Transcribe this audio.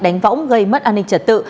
đánh võng gây mất an ninh trật tự